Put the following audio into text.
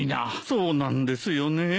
そうなんですよね。